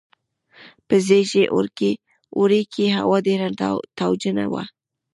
په سږني اوړي کې هوا ډېره تاوجنه وه